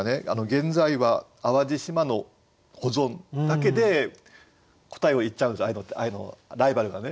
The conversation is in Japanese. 「現在は淡路島の保存」だけで答えを言っちゃうんですライバルがね。